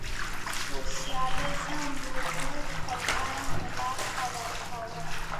سوسیالیزم ورو ورو خپل رنګ له لاسه ورکاوه.